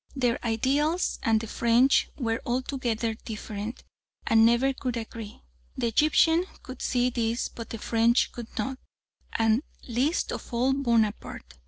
Their ideals and the French were altogether different and never could agree. The Egyptian could see this but the French could not, and least of all Bonaparte.